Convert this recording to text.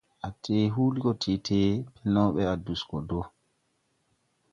A tee huulin gɔ tee, pelnew bɛ a dus gɔ do.